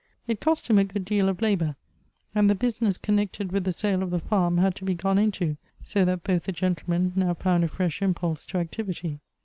It cost him a good deal of labor, and the business connected with the sale of the farm had to be gone into, so that both the gent^men now found a fresh impulse to activity.